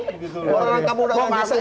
orang kampung dan desa ini